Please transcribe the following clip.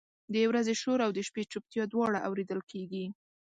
د ورځې شور او د شپې چپتیا دواړه اورېدل کېږي.